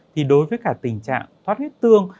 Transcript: thì đối với cả tình trạng thoát huyết tương